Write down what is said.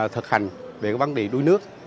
thực hành về vấn đề đuối nước